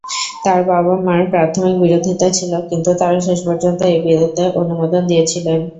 তাঁর বাবা-মার প্রাথমিক বিরোধিতা ছিল, কিন্তু তাঁরা শেষ পর্যন্ত এই বিয়েতে অনুমোদন দিয়েছিলেন।